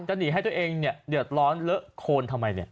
หนีให้ตัวเองเดือดร้อนเลอะโคนทำไมเนี่ย